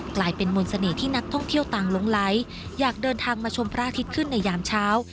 กลายเป็นมนต์เสน่ห์ที่นักท่องเที่ยวต่างลงไหลอยากเดินทางมาชมพระอาทิตย์ขึ้นในยามเช้า